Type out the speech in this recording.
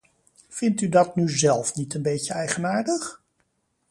Vindt u dat nu zelf niet een beetje eigenaardig?